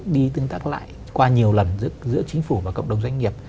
đi tương tác lại qua nhiều lần giữa chính phủ và cộng đồng doanh nghiệp